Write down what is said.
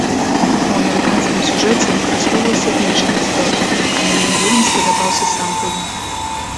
У амерыканскім сюжэце выкарыстоўвалася іншая гісторыя, але мне вельмі спадабаўся сам прыём.